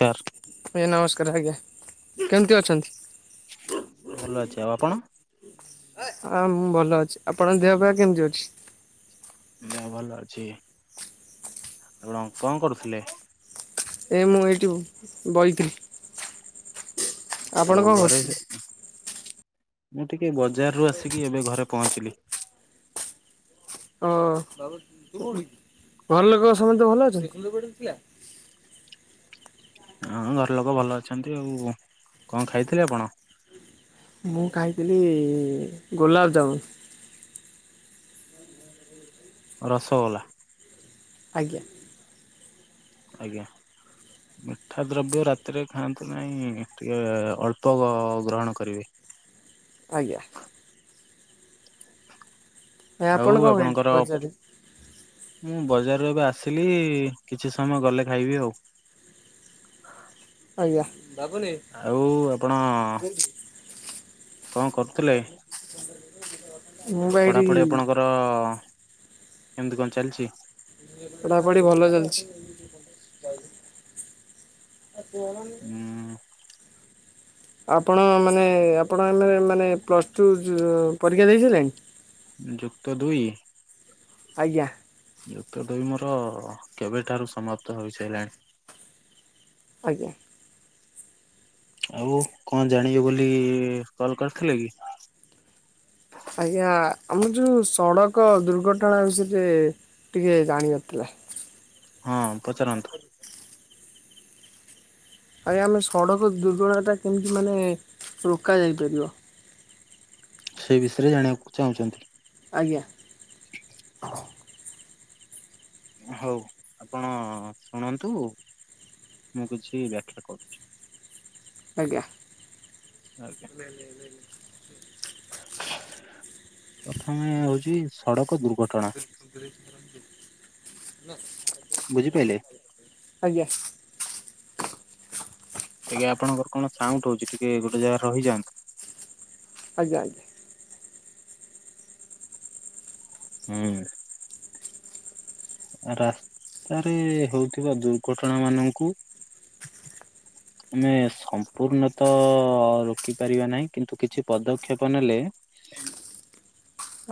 Sir ଆଜ୍ଞା ନମସ୍କାର ଆଜ୍ଞା କେମିତି ଅଛନ୍ତି? ଭଲ ଅଛି ଆଉ ଆପଣ? ହଁ ମୁଁ ଭଲ ଅଛି ଆପଣଙ୍କ ଦେ [unintelligible] ଭଲ ଅଛି ଆପଣ କଣ କରୁଥିଲେ? ଏ ମୁଁ ଏଇଠି ବଇଥିଲି। ଆପଣ ଆଉ କଣ ଘରେ? କରୁଥିଲେ? ମୁଁ ଟିକେ ବଜାରରୁ ଆସିକି ଏବେ ଘରେ ପହଞ୍ଚିଲି। ଓ ଘର ଲୋକ ସମସ୍ତେ ଭଲ ଅଛନ୍ତି। ହଁ ଘର ଲୋକ ଭଲ ଅଛନ୍ତି ଆଉ କଣ ଖାଇଥିଲେ ଆପଣ? ମୁଁ ଖାଇଥିଲି ଗୋଲାପଜାମୁନ୍। ରସଗୋଲା। ଆଜ୍ଞା। ଆଜ୍ଞା ମିଠା ଦ୍ରବ୍ୟ ରାତିରେ ଖାଆନ୍ତୁ ନାହିଁ ଟିକେ ଅଳ୍ପ ଗ୍ରହଣ କରିବେ। ଆଜ୍ଞା। ଭାଈ ଆଉ ଆପଣ କଣ ଖାଇଥିଲେ ଆପଣଙ୍କର ବଜାର ରେ? ମୁଁ ବଜାରରୁ ଏବେ ଆସିଲି କିଛି ସମୟ ଗଲେ ଖାଇବି ଆଉ। ଆଜ୍ଞା ଆଉ ଆପଣ କଣ କରୁ ଥିଲେ ମୁଁ ବା ଏଇଠି ପଢାପଢି ଆପଣଙ୍କର କେମିତି କଣ ଚାଲିଛି? ପଢାପଢି ଭଲ ଚାଲିଛି। ଉଁ [inaudible] ଆପଣ ମାନେ ଆପଣ ଆମ ମାନେ ପ୍ଲସ୍ ଟୁ ପରୀକ୍ଷା ଦେଇଣି! ଯୁକ୍ତ ଦୁଇ ଆଜ୍ଞା। ଯୁକ୍ତ ଦହି ମୋର କେବେଠାରୁ ସମାପ୍ତ ହେଇସାରିଲାଣି ଆଜ୍ଞା। ଆଉ କଣ ଜାଣିବୁ ବୋଲି କଲ କରିଥିଲେ କି ଆଜ୍ଞା ଆମର ଯେଉ ସଡ଼କ ଦୁର୍ଘଟଣା ବିଷୟରେ ଟିକେ ଜାଣିବାରଥିଲା! ହଁ ପଚାରନ୍ତୁ। ଆଜ୍ଞା ଆମେ ସଡ଼କ ଦୁର୍ଘଟଣା ଟା କେମିତି ମାନେ ରୋକ ଯାଇପାରିବ! ସେ ବିଷୟରେ ଜାଣିବାକୁ ଚାହୁଁଛନ୍ତି। ଆଜ୍ଞା। ହଉ ଆପଣ ଶୁଣନ୍ତୁ ମୁଁ କିଛି ବ୍ୟାଖ୍ୟା କରୁଛି। ଆଜ୍ଞା। ଆଜ୍ଞା। [unintelligible] ପ୍ରଥମେ ହଉଛି ସଡକ ଦୁର୍ଘଟଣା। ବୁଝି ପାଇଲେ? ଆଜ୍ଞା। ଟିକେ ଆପଣଙ୍କର କଣ ସାଉଣ୍ଡ ହଉଛି ଟିକେ ଗୋଟେ ଜାଗା ରହିଯାଆନ୍ତୁ। ଆଜ୍ଞା ଆଜ୍ଞା। ହୁଁ। ରାସ୍ତାରେ ହଉଥିବା ଦୁର୍ଘଟଣା ମାନଙ୍କୁ ଆମେ ସମ୍ପୂର୍ଣ୍ଣତ ରୋକି ପାରିବା ନାହିଁ କିନ୍ତୁ କିଛି ପଦକ୍ଷେପ ନେଲେ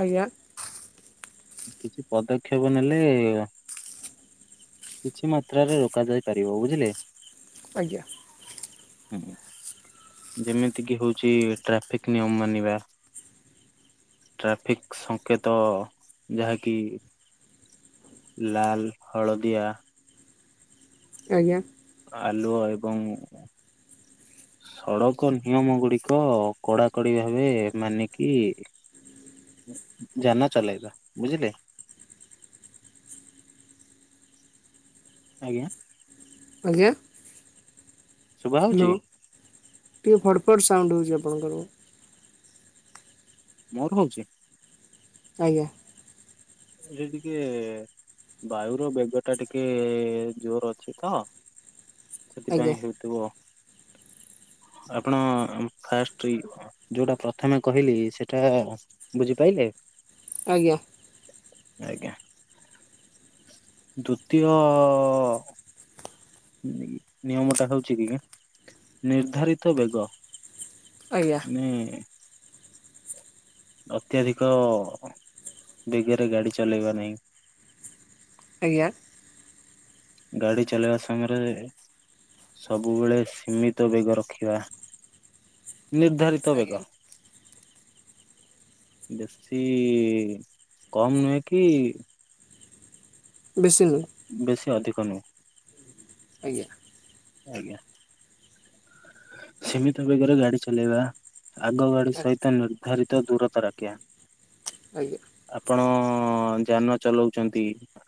ଆଜ୍ଞା। କିଛି ପଦକ୍ଷେପ ନେଲେ କିଛି ମାତ୍ରାରେ ରୋକାଯାଇପାରିବ। ବୁଝିଲେ। ଆଜ୍ଞା। [unintelligible] ଯେମିତିକି ହଉଛି ଟ୍ରାଫିକ ନିୟମ ମାନିବା ଟ୍ରାଫିକ ସଂଙ୍କେତ ଯାହାକି ଲାଲ ହଳଦିଆ ଆଜ୍ଞା। ଆଲୁଅ ଏବଂ ସଡକ ନିୟମ ଗୁଡିକ କଡାକଡି ଭାବେ ମାନିକି ଯାନ ଚଲାଇବା। ବୁଝିଲେ। ଆଜ୍ଞା। ଆଜ୍ଞା। ଶୁଭା ଯାଉଚି? ହ୍ୟାଲୋ ଟିକେ ଫଡ୍ ଫଡ୍ ସାଉଣ୍ଡ ହଉଛି ଆପଣଙ୍କର। ମୋର ହଉଚି। ଆଜ୍ଞା। ସେ ଟିକେ ବାୟୁର ବେଗ ଟା ଟିକେ ଜୋର ଅଛି ତ ଆଜ୍ଞା ସେଥିପାଇଁ ହଉଥିବ। ଆପଣ ଫାଷ୍ଟ ଯୋଉଟା ପ୍ରଥମେ କହିଲି ସେଟା ବୁଝିପାରଲେ? ଆଜ୍ଞା। ଆଜ୍ଞା ଦ୍ଵିତୀୟ ନିୟମ ଟା ହଉଛି କି ନିର୍ଦ୍ଧାରିତ ବେଗ। ଆଜ୍ଞା ନେ ଅତ୍ୟଧିକ ବେଗରେ ଗାଡି ଚଲେଇବା ନାହିଁ। ଆଜ୍ଞା। ଗାଡି ଚଲେଇବା ସମୟରେ ସବୁବେଳେ ସୀମିତ ବେଗ ରଖିବା, ନିର୍ଦ୍ଧାରିତ ବେଗ ଆଜ୍ଞା ବେଶୀ କମ ନୁହେଁ କି ବେଶୀ ନୁହେଁ ବେଶୀ ଅଧିକ ନୁହେଁ । ଆଜ୍ଞା ଆଜ୍ଞା। ସୀମିତ ବେଗରେ ଗାଡି ଚଲେଇବା। ଆଗ ଗାଡି ଆଜ୍ଞା ସହିତ ନିର୍ଦ୍ଧାରିତ ଦୂରତା ରଖିବା ଆଜ୍ଞା । ଆପଣ ଯାନ ଚଲଉଛନ୍ତି,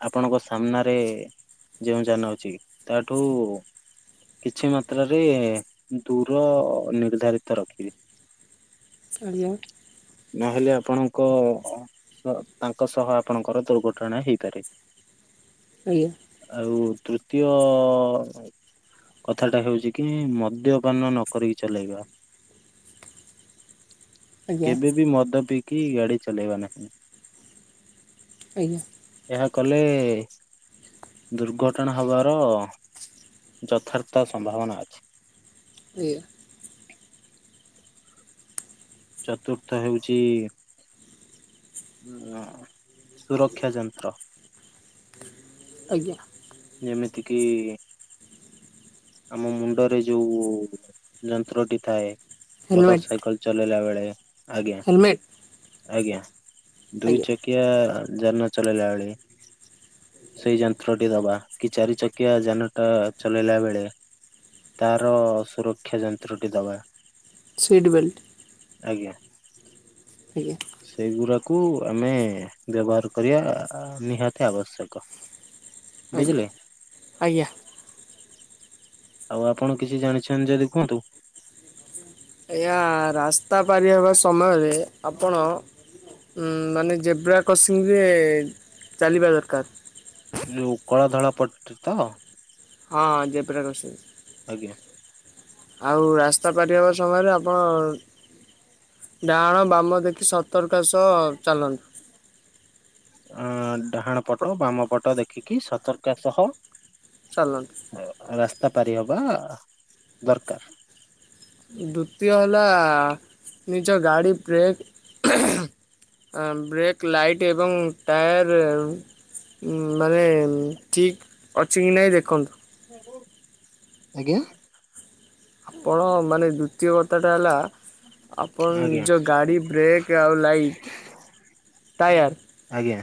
ଆପଣଙ୍କ ସାମ୍ନାରେ ଯେଉଁ ଯାନ ଅଛି, ତାଠୁ କିଛି ମାତ୍ରାରେ ଦୂର ନିର୍ଦ୍ଧାରିତ ରଖିବେ, ଆଜ୍ଞା ନହେଲେ ଆପଣଙ୍କ ତାଙ୍କ ସହ ଆପଣଙ୍କର ଦୁର୍ଘଟଣା ହେଇପାରେ। ଆଜ୍ଞା। ଆଉ ତୃତୀୟ କଥାଟା ହେଉଛି କି ମଦ୍ୟ ପାନ ନ କରିକି ଚଲେଇବା । ଆଜ୍ଞା କେବେ ବିି ମଦ ପିି କି ଗାଡି ଚଲେଇବା ନାହିଁ ଆଜ୍ଞା ଏହା କଲେ, ଦୁର୍ଘଟଣା ହେବାର ଯଥାର୍ଥ ସମ୍ଭାବନା ଅଛି। ଆା [inaudible] ଚତୁର୍ଥ ହେଉଛି ସୁରକ୍ଷା ଯନ୍ତ୍ର । ଆଜ୍ଞା ଯେମିତିକି, ଆମ ମୁଣ୍ଡରେ ଯୋଉ ଯନ୍ତ୍ରଟି ଥାଏ ମୋଟର ହେଲମେଟ୍ ସାାଇକଲ ଚଲେଇଲାବେଳେ। ହ ଆଜ୍ଞା ହେଲମେଟ୍ ଆଜ୍ଞା ଦୁଇ ଆଜ୍ଞା ଚକିଆ ଯାନ ଚଲେଇଲାବେଳେ ସେଇ ଯନ୍ତ୍ରଟି ଦବା । କି ଚାରି ଚକିଆ ଯାନଟା ଚଲେଇଲା ବେଳେ, ତାର ସୁରକ୍ଷା ଯନ୍ତ୍ରଟି ଦବା। ସିଟବେଲଟ। ଆଜ୍ଞା ସେଇଗୁଡା କୁ ଆମେ ବ୍ୟବହାର କରିବା ନିହାତି ଆବଶ୍ୟକ। ଆଜ୍ଞା ବୁଝିଲେ। ଆଜ୍ଞା ଆଉ ଆପଣ କିଛି ଜାଣିଛନ୍ତି ଯଦି କୁହନ୍ତୁ? ଆଜ୍ଞା ରାସ୍ତା ପାରି ହେବା ସମୟରେ ଆପଣ ମାନେ ଜେବ୍ରା କ୍ରସିଂରେ ଚାଲିବା ଦରକାର। ଯୋଉ କଳା ଧଳା ପଟ ତ? ହଁଁ ଯେବ୍ରା କ୍ରସିଙ୍ଗ। ଆଜ୍ଞା ଆଉ ରାସ୍ତା ପାରି ହେବା ସମୟରେ ଆପଣ ଡାହାଣ ବାମ ଦେଖି ସତ ତରକା ସହ ଚାଲନ୍ତୁ । ଅ ଡାହାଣ ପଟ ବାମ ପଟ ଦେଖିକି ସତର୍କ ସହ ଚାଲନ୍ତୁ ରା [inaudible] ତା ପାରି ହବା ଦରକାର । ଦୂତୀୟ ହେଲା ନିଜ ଗାଡ଼ି ବ୍ରେକ୍ ବ୍ରେକ୍ ଲାଇଟ୍ ଏବଂ ଟାୟାର ମାନେ। ଠିକ୍ ଅଛି କି ନାହିଁ ଦେଖନ୍ତୁ? ଆଜ୍ଞା। ଆପଣ ମାନେ ଦ୍ଵିତୀୟ କଥା ଟା ହେଲା। ଆପଣ ଆଜ୍ଞା ନିଜ ଗାଡ଼ି ବ୍ରେକ୍ ଆଉ ଲାଇଟ୍ ଟାୟାର। ଆଜ୍ଞା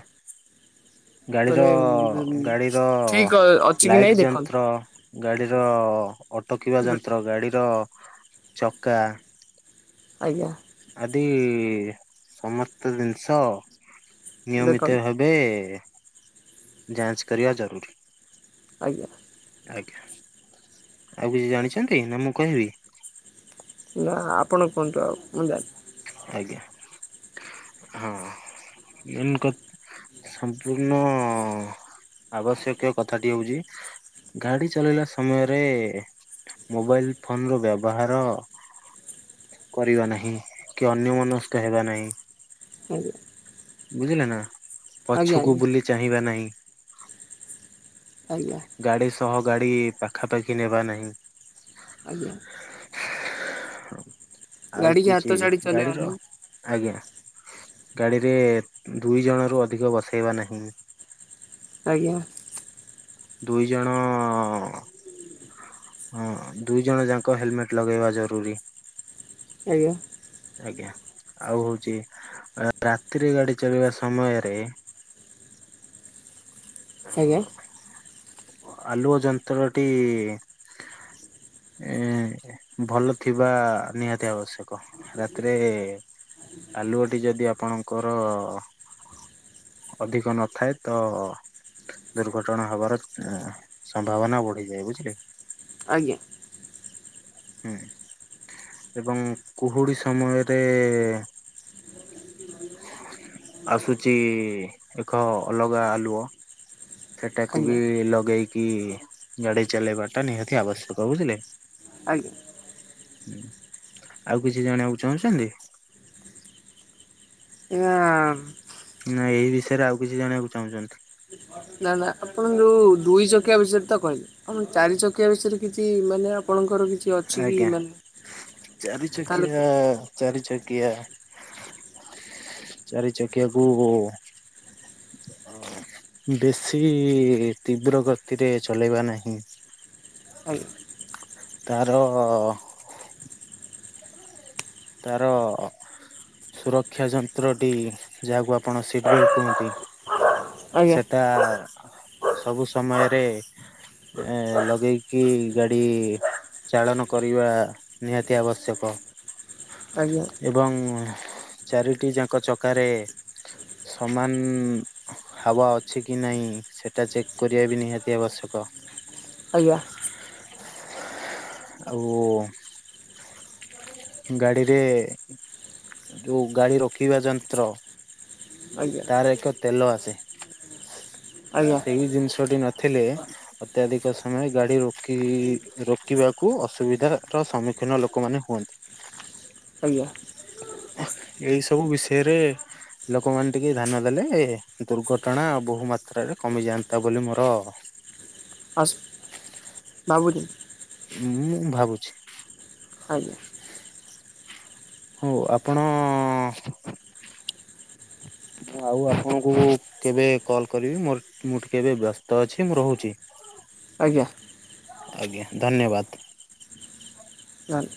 ଗାଡିର ଗାଡିର ଠିକ୍ ଅଛି କି ନାଇଁ ଲାଇଟ ଦେଖନ୍ତୁ। ଯନ୍ତ୍ର। ଗାଡିର। ଅଟକିବା ଯନ୍ତ୍ର ଗାଡ଼ିର। ଚକା। ଆଜ୍ଞା। ଆଜିି ସମସ୍ତ ଜିନିଷ। ନିୟମିତ ଦେଖନ୍ତୁ ହେବେ। ଯାଞ୍ଚ କରଆ ଜରୁର। ଆଜ୍ଞା। ଆଜ୍ଞା, ଆଉ କିଛି ଜାଣିଛନ୍ତି ନା? ମୁଁ କହିବି। ନା ଆପଣ କୁହନ୍ତୁ, ଆଉ ମୁଁ ଜାଣିଛି। ଆଜ୍ଞା। ହଁ, ମନ୍ ସମ୍ପୂର୍ଣ୍ଣ ଆବଶ୍ୟକୀୟ କଥାଟି ହେଉଛି। ଗାଡ଼ି ଚଲେଇଲା ସମୟରେ ମୋବାଇଲ ଫୋନ ର ବ୍ୟବହାର। କରିବା ନାହିଁ, କି ଅନ୍ୟ ମନସ୍କ ହେବା ନାହିଁ। ଆଜ୍ଞା ବୁଝିଲେ ନା। ପଛକୁ ଆଜ୍ଞା ଆଜ୍ଞା ବୁଲି ଚାହିଁବା ନାହିଁ। [unintelligible] ଆଜ୍ଞା ଗାଡି ସହ। ଗାଡି ପାଖାପାଖି ନେବା ନାହିଁ। ଆଜ୍ଞା। ଆଉ ଗାଡିକି ହାତ କିଛି ଛାଡି ଗାଡିର, ଚଲେଇବନି। ଆଜ୍ଞା। ଗାଡିରେ ଦୁଇ ଜଣ ରୁ ଅଧିକ ବସେଇବା ନାହିଁ। ଆଜ୍ଞା। ଦୁଇ ଜଣ। ହଁ, ଦୁଇ ଜଣ ଯାକ ହେଲମେଟ ଲଗେଇବା ଜରୁରୀ। ଆଜ୍ଞା। ଆଜ୍ଞା। ଆଉ ହଉଛି ରାତିରେ ଗାଡି ଚଲିବା ସମୟରେ ଆଜ୍ଞା। ଆଲୁଅ ଯନ୍ତ୍ରଟି ଉ ଭଲ ଥିବା ନିହାତି ଆବଶ୍ୟକ। ରାତିରେ ଆଲୁଅଟି ଯଦି ଆପଣଙ୍କର ଅଧିକ ନଥାଏ ତ ଦୁର୍ଘଟଣା ହବାର ସମ୍ଭାବନା ବଢିଯାଏ ବୁଝିଲେ। ଆଜ୍ଞା। ହୁଁ ଏବଂ କୁହୁଡ଼ି ସମୟରେ ଆସୁଛି ଏକ ଅଲଗା ଆଲୁଅ। ସେଟାକୁ ବି ଆଜ୍ଞା ଲଗେଇକି ଗାଡି ଚଲେଇବା ଟା ନିହାତି ଆବଶ୍ୟକ ବୁଝିଲେ। ଆଜ୍ଞା। ହୁଁ, ଆଉ କିଛି ଜଣିବାକୁ ଚାହୁଁଛନ୍ତି। ଆଜ୍ଞା। ନା ଏଇ ବିଷୟରେ ଆଉ କିଛି ଜାଣିବାକୁ ଚାହୁଁଛନ୍ତି। ନା ନା ଆପଣ ଯୋଉ ଦୁଇ ଚକିଆ ବିଷୟରେ ତ କହିଲେ ଆ ଚାରି ଚକିଆ ବିଷୟରେ କିଛି ମାନେ ଆପଣଙ୍କର କି କିଛି ଅଛି ଆଜ୍ଞା ମାନେ ତାହେଲେ ଚାରିଚକିଆ ଚାରି ଚକିଆ ଚାରି ଚକିଆକୁ ବେଶୀ ତୀବ୍ର ଗତିରେ ଚଲେଇବା ନାହିଁ। ଆଜ୍ଞା ତାର ଅ ତାର ସୁରକ୍ଷା ଯନ୍ତ୍ର ଟି ଯାହାକୁ ଆପଣ ସିଟ ବେଲଟ କୁହନ୍ତି। ଆଜ୍ଞା ସେଟା ସବୁ ସମୟରେ ଏ ଲଗେଇକି ଗାଡି ଚାଳନ କରିବା ନିହାତି ଆବଶ୍ୟକ। ଆଜ୍ଞା ଏବଂ ଚାରିଟି ଯାକ ଚକାରେ ସମାନ ହାୱଅଛି କି ନାହିଁ ସେଟା ଚେକ୍ କରିବା ବି ନିହାତି ଆବଶ୍ୟକ। ଆଜ୍ଞା। ଓ। ଗାଡିରେ ଯୋଉ ଗାଡି ରଖିବା ଯନ୍ତ୍ର ଆଜ୍ଞା ତାର ଏକ ତେଲ ଆସେ ଆଜ୍ଞା ସେଇ ଜିନିଷଟି ନ ଥିଲେ ଅତ୍ୟଧିକ ସମୟ ଗାଡି ରୋକି ରୋକିବାକୁ ଅସୁବିଧା ର ସମ୍ମୁଖୀନ ଲୋକମାନେ ହୁଅନ୍ତି। ଆଜ୍ଞା। ଏଇ ସବୁ ବିଷୟରେ ଲୋକମାନେ ଟିକେ ଧ୍ୟାନ ଦେଲେ ଦୁର୍ଘଟଣା ବହୁ ମାତ୍ରରେ କମିଯାଆନ୍ତା ବୋଲି ମୋର ଆସ ବା ବୁଝିନ। ହୁଁ ଭାବୁଛି। ଆଜ୍ଞା। ହଉ ଆପଣ ମୁଁ ଆଉ ଆପଣଙ୍କୁ କେବେ କଲ କରିବି ମୋ ମୁଁ ଟିକେ କେବେ ବ୍ୟସ୍ତ ଅଛି ମୁଁ ରହୁଛି। ଆଜ୍ଞା। ଆଜ୍ଞା ଧନ୍ୟବାଦ ନା ନା।